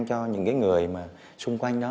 cho những người xung quanh đó